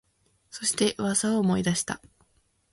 そして、噂を思い出した